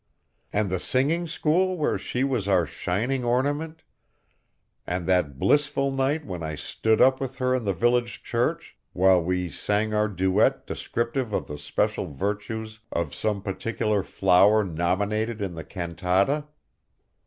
And the singing school where she was our shining ornament, and that blissful night when I stood up with her in the village church, while we sang our duet descriptive of the special virtues of some particular flower nominated in the cantata?